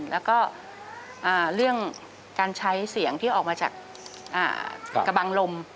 แล้วก็เรื่องการใช้เสียงที่ออกมาจากกระบังลม